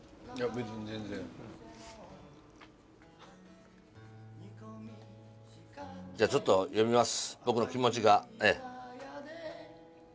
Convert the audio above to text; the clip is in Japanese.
べつに全然じゃちょっと読みます